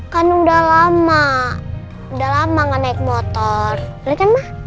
kan udah lama udah lama nggak naik motor boleh kan ma